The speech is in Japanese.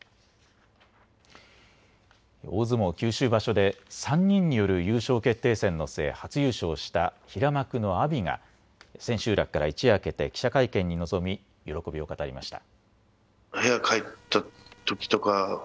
大相撲九州場所で３人による優勝決定戦の末、初優勝した平幕の阿炎が千秋楽から一夜明けて記者会見に臨み喜びを語りました。